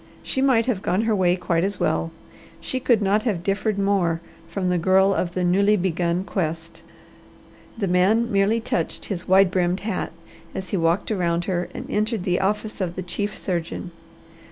She might have gone her way quite as well. She could not have differed more from the girl of the newly begun quest. The man merely touched his wide brimmed hat as he walked around her and entered the office of the chief surgeon.